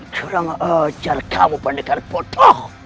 kurang ajar kamu pendekar potoh